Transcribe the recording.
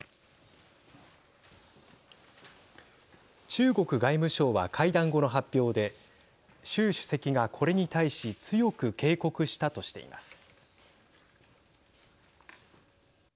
中国外務省は会談後の発表で習主席が、これに対し強く警告したとしています。